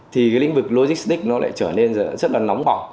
thì cái lĩnh vực logistics nó lại trở nên rất là nóng bỏ